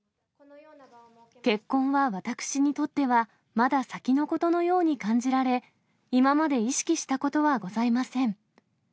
結婚は私にとっては、まだ先のことのように感じられ、今まで意識したことはございません。